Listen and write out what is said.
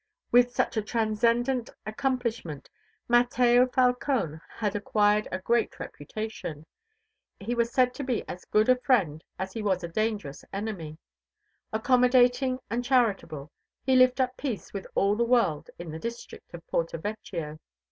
With such a transcendent accomplishment, Mateo Falcone had acquired a great reputation. He was said to be as good a friend as he was a dangerous enemy; accommodating and charitable, he lived at peace with all the world in the district of Porto Vecchio.